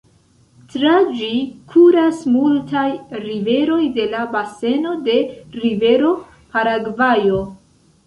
Tra ĝi kuras multaj riveroj de la baseno de rivero Paragvajo.